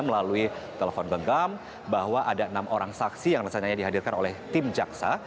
melalui telepon genggam bahwa ada enam orang saksi yang rencananya dihadirkan oleh tim jaksa